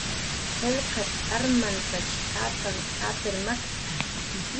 "Qullq armantach turas apir makt""a "